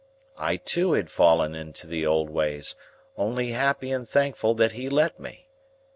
I too had fallen into the old ways, only happy and thankful that he let me.